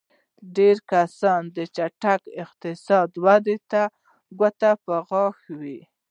ډېری کسان چټکې اقتصادي ودې ته ګوته په غاښ وو.